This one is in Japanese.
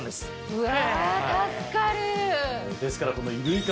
うわ！